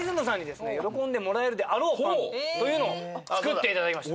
パンというのを作っていただきました。